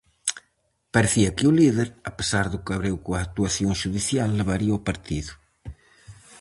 Parecía que o líder, a pesar do cabreo coa actuación 'xudicial', levaría o partido.